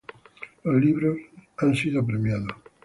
Los libros han sido premiados.